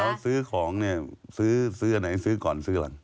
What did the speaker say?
แล้วซื้อของเนี่ยซื้อไหนซื้อก่อนซื้อหลัง